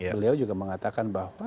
beliau juga mengatakan bahwa